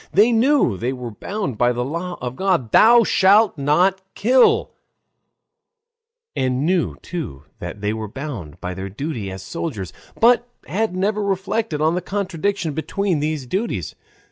They knew they were bound by the law of God, "Thou shalt not kill," and knew too that they were bound by their duty as soldiers, but had never reflected on the contradiction between these duties.